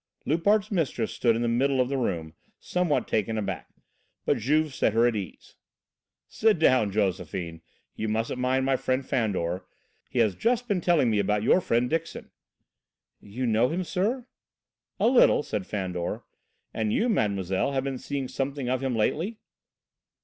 Loupart's mistress stood in the middle of the room, somewhat taken aback. But Juve set her at ease. "Sit down, Josephine. You mustn't mind my friend Fandor. He has just been telling me about your friend Dixon." "You know him, sir?" "A little," said Fandor. "And you, Mademoiselle, have been seeing something of him lately?"